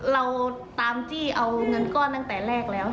เราตามจี้เอาเงินก้อนตั้งแต่แรกแล้ว